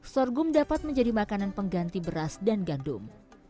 sorghum dapat menjadi makanan pengganti beras dan gandum